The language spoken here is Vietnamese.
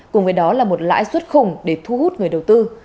cùng với đó là một lãi suất khủng để thu hút người đầu tư